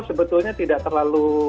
sebetulnya tidak terlalu